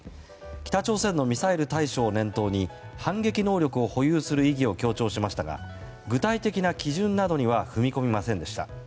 北朝鮮のミサイル対処を念頭に反撃能力を保有する意義を強調しましたが具体的な基準などには踏み込みませんでした。